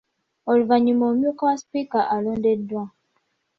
Oluvannyuma omumyuka wa sipiika alondeddwa .